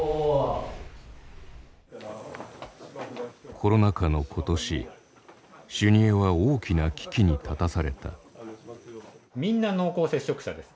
コロナ禍の今年修二会は大きな危機に立たされた。